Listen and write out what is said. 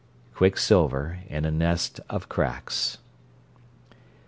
"Quicksilver in a nest of cracks!"